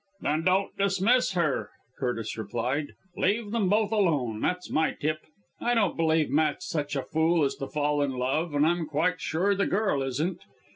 "Then don't dismiss her," Curtis replied. "Leave them both alone, that's my tip. I don't believe Matt's such a fool as to fall in love, and I'm quite sure the girl isn't.